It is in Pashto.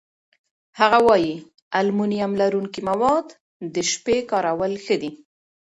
هغه وايي المونیم لرونکي مواد د شپې کارول ښه دي.